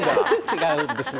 違うんですね。